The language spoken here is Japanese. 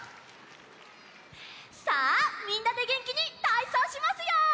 さあみんなでげんきにたいそうしますよ！